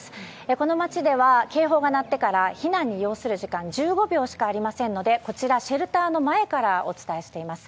この街では警報が鳴ってから避難に要する時間は１５秒しかありませんのでシェルターの前からお伝えしています。